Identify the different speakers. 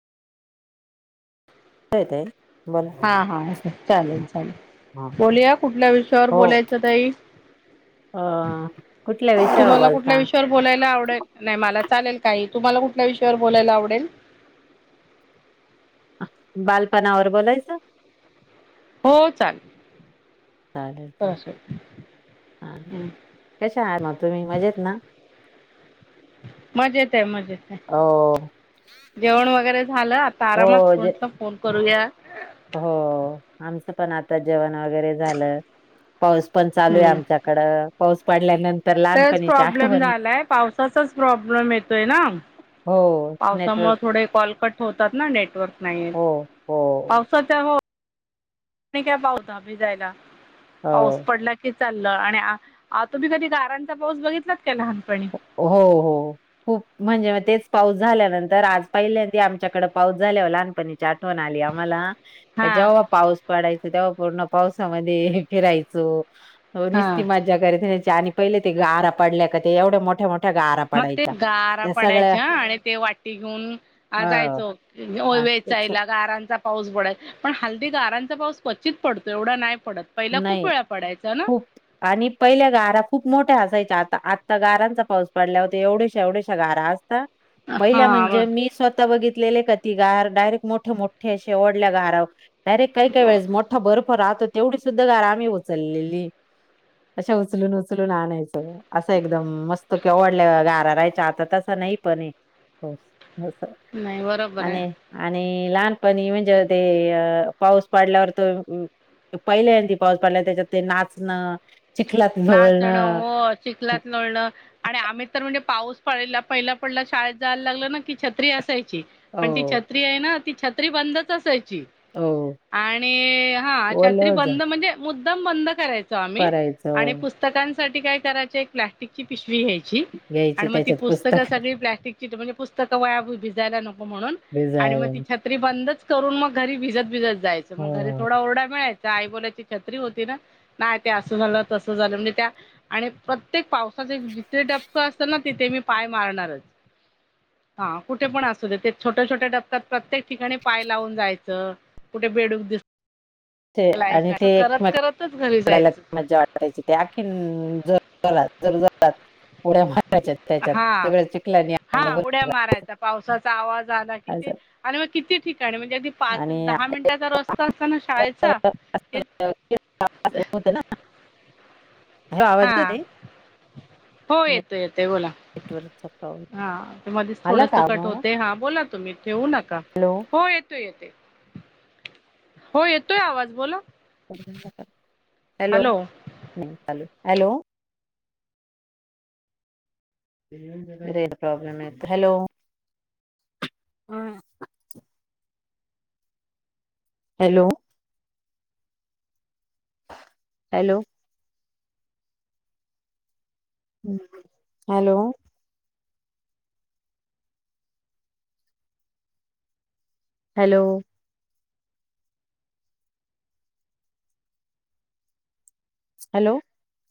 Speaker 1: ये ये.
Speaker 2: हा हा. चालेल चालेल. बोलूया कुठल्या विषयावर
Speaker 1: हो
Speaker 2: बोलायच ताई?
Speaker 1: अ. कुठल्या विषयावर
Speaker 2: तुम्हाला
Speaker 1: बोलता?
Speaker 2: कुठल्या विषयावर बोलायला आवडेल, नाही मला चालेल काही, तुम्हाला कुठल्या विषयावर बोलायला आवडेल?
Speaker 1: बालपणावर बोलायचं.?
Speaker 2: हो चालेल.
Speaker 1: चालेल,
Speaker 2: तसं
Speaker 1: चालेल,
Speaker 2: हम्म
Speaker 1: कशे आहात मग तुम्ही? मजेत ना?
Speaker 2: मजेत आहे, मजेत आहे.
Speaker 1: हो
Speaker 2: जेवण वगैरे झालं, आता
Speaker 1: हो जे
Speaker 2: आरामातंला फोन करूया.
Speaker 1: हो आमचं पण आता जेवण वगैरे झालं. पाऊस पण चालू आहे आमच्याकड पाऊस पडल्यानंतर
Speaker 2: तरच
Speaker 1: लहानपणीच्या
Speaker 2: प्रॉब्लेम
Speaker 1: आठवणी
Speaker 2: झालाय पावसाचाच प्रॉब्लेम येतोय ना.
Speaker 1: हो
Speaker 2: पावसामुळे
Speaker 1: नेटवर्क
Speaker 2: थोडे कॉलकट होतात ना नेटवर्क नाही
Speaker 1: हो हो
Speaker 2: पावसाच्या काय पाऊस दधाबी जायला पाऊस
Speaker 1: हो
Speaker 2: पडला की चाल आणि तुम्ही कधी गारांचा पाऊस बघितला.
Speaker 1: हो हो खूप म्हणजे तेच पाऊस झाल्यानंतर आज पहिले ते आमच्याकड पाऊस झाल्यावर लहानपणीची आठवण आली आम्हाला
Speaker 2: हा
Speaker 1: जेव्हा पाऊस पडायच तेव्हा पूर्ण पावसामध्ये फिरायचो. हो
Speaker 2: हा
Speaker 1: निस्ती मजा घ आणि पहिले ते गारा पडल्या का ते एवढ्या मोठ्या मोठ्या गारा
Speaker 2: मग ते
Speaker 1: पडायच्या.
Speaker 2: गारा
Speaker 1: त्या सगळ्या
Speaker 2: पडायचे आणि ते वाटी घेऊन
Speaker 1: हो
Speaker 2: जायचं ओ.
Speaker 1: आणि तसं-
Speaker 2: चाईला गारांचा पाऊस बडाय पण हलदी गारांचा पाऊस क्वचित पडतो एवढा नाही. पडत पहिला खूप
Speaker 1: नाही
Speaker 2: वेळा पडायचा ना
Speaker 1: खूप आणि पहिल्या गारा खूप मोठ्या असायच्या आता आत्ता गारांचा पाऊस पडला होता एवढ्याशा एवढ्याशा गार. पहिल्या
Speaker 2: हा
Speaker 1: म्हणजे मी स्वतः बघित. का ती गार डायरेक्ट मोठे मोठे असे ओढल्या गारावर डायरेक्ट काही काही वेळेस मोठा बर्फ राहतो तेवढी सुद्धा गार आम्ही उचललेली. अशा उचलून उचलून आणायचं असं एकदम मस्त किंवा वडल्या गार राहायच्या आता तसं. नाही प
Speaker 2: नाही बरोबर आहे
Speaker 1: लहानपणी म्हणजे ते पाऊस पडल्यावर त पहिले ती पाऊस पडला त्याच्यात ते नाचणं. चिखलात
Speaker 2: नाचणं
Speaker 1: झोळणं
Speaker 2: हो चखलात लळणं आणि आम्ही तर म्हणजे पाऊस प पहिला पडला शाळेत जायला लागलं ना की छत्री असायची
Speaker 1: हो
Speaker 2: पण ती छत्री आहे ना. त छत्री बंद असायची
Speaker 1: हो
Speaker 2: आणि हा
Speaker 1: ओलं
Speaker 2: छत्री
Speaker 1: होतं
Speaker 2: बंद म्हणजे मु एकदम बंद करायचो आम्ही आणि
Speaker 1: करायचं
Speaker 2: पुस्तकांसाठी काय करायच एक प्लास्टिकची पिशवी घ्यायची.
Speaker 1: घ्यायची
Speaker 2: मग ती
Speaker 1: त्याच्यात
Speaker 2: पुस्तक सग प्ज पुस्तकया भिजायला. म्हणून आणि
Speaker 1: भिजायला
Speaker 2: मग ती छत्री बंदच करून मग घरी भिजत भिजत. यच मग घरी
Speaker 1: हो
Speaker 2: थोडा रडा मिळायचा आई बोलाची छत्री होती ना नाही ते अस झालं. तसं झालं म्हणजे त्या आणि प्रत्येक पावसाचे जिथे टपकं असतं ना तिथे मी पाय मारणारच.
Speaker 1: [unintelligible]
Speaker 2: हा कुठे पण असू दे ते छोट्या छोट्या डप्क्यात प्रत्येक ठिकाणी पाय लावून जायचं. कुठे बेडूक दिस
Speaker 1: ते आणि
Speaker 2: असं करत करतच घरी
Speaker 1: तेडायला
Speaker 2: जायचं.
Speaker 1: मज्जा वाटायची तेखी ज ्या मारा त्याच्यात
Speaker 2: हा
Speaker 1: सगळ च
Speaker 2: हा उड्या मारायचा पावसाचा आवाज आला किती
Speaker 1: असं
Speaker 2: आणि मग किती? म्हणजे अगदी पाच
Speaker 1: आणि
Speaker 2: दहा मिनिटाचा रस्ता असता ना शाळेचा
Speaker 1: होत ना. ह
Speaker 2: हा
Speaker 1: आवाज का ते
Speaker 2: हो येतो येतेय बोला.
Speaker 1: नेटवर्कचा प्रॉब्लेम
Speaker 2: हा त्या मध्येच
Speaker 1: आला
Speaker 2: थोडंस
Speaker 1: का
Speaker 2: कट
Speaker 1: आवाज
Speaker 2: होत हा बोला तुम्ही ठेवू नका
Speaker 1: हॅलो
Speaker 2: हो येतो येते. हो येतोय आवाज बोला.
Speaker 1: हॅलो चाल हॅलो. प्रॉब्लेम य हॅलो. हा hello- hello! Hello! Hello! Hello!